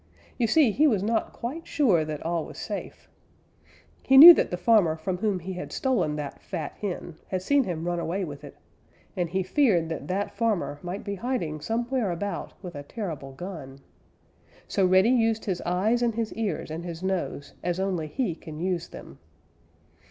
You see, he was not quite sure that all was safe. He knew that the farmer from whom he had stolen that fat hen had seen him run away with it, and he feared that that farmer might be hiding somewhere about with a terrible gun. So Reddy used his eyes and his ears and his nose as only he can use them.